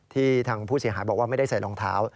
ทางผู้เสียหายบอกว่าไม่ได้ใส่รองเท้า